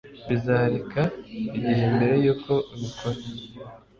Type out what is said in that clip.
Bizareka igihe mbere yuko ubikora